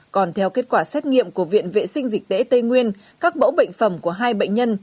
còn theo kết quả xét nghiệm của viện vệ sinh dịch tễ tây nguyên các mẫu bệnh phẩm của hai bệnh nhân